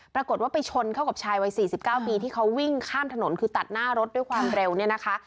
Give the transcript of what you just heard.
ปรากฏว่าไปชนเข้ากับชายวัย๔๙ปีที่เขาวิ่งข้ามถนนคือตัดหน้ารถด้วยความเร็วเนี่ยนะคะ